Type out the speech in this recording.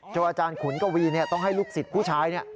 อาจารย์ขุนกวีต้องให้ลูกศิษย์ผู้ชาย